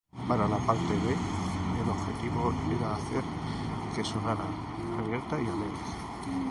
Para la parte B el objetivo era hacer que sonara abierta y alegre.